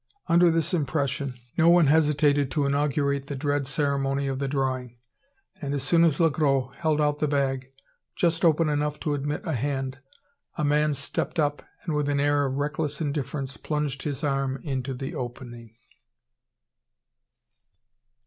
Under this impression, no one hesitated to inaugurate the dread ceremony of the drawing; and as soon as Le Gros held out the bag, just open enough to admit a hand, a man stepped up, and, with an air of reckless indifference, plunged his arm into the opening!